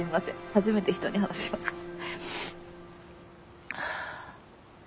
初めて人に話しました。